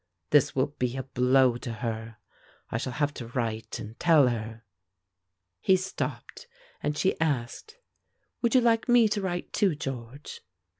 This will be a blow to her. I shall have to write and tell her " He stopped, and she asked, "Would you like me to write too, George?"